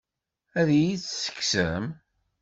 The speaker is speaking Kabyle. Ad iyi-tt-tekksem?